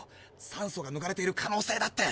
酸素がぬかれている可能性だって。